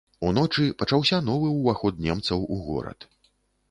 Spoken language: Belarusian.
Уночы пачаўся новы ўваход немцаў у горад.